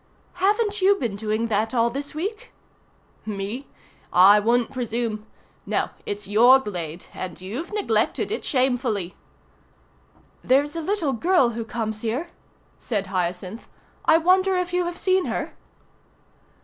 "Haven't you been doing that all this week?" "Me? I wouldn't presume. No, it's your glade, and you've neglected it shamefully." "There's a little girl who comes here," said Hyacinth. "I wonder if you have seen her?"